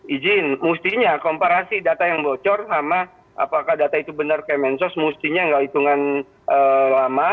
izin mustinya komparasi data yang bocor sama apakah data itu benar kayak mensos mustinya nggak hitungan lama